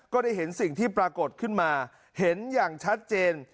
ก็ได้เห็นสิ่งที่ปรากฏขึ้นมาเห็นอย่างชัดเจน